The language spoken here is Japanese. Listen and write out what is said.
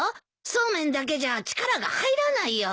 そうめんだけじゃ力が入らないよ。